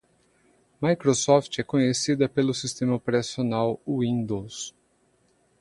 Microsoft é conhecida pelo sistema operacional Windows.